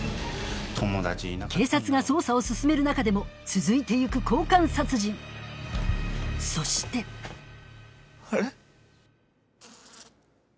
警察が捜査を進める中でも続いて行く交換殺人そしてあれ？